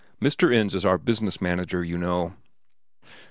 Mr. Ends is our business manager, you know."